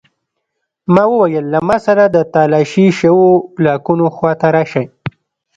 ما وویل له ما سره د تالاشي شویو بلاکونو خواته راشئ